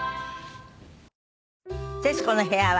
『徹子の部屋』は